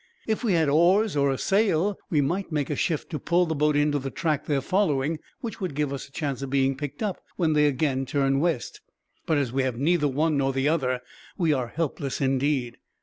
"If we had oars, or a sail, we might make a shift to pull the boat into the track they are following, which would give us a chance of being picked up when they again turn west; but as we have neither one nor the other, we are helpless, indeed."